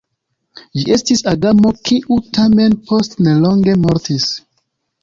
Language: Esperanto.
Ĝi estis agamo, kiu tamen post nelonge mortis.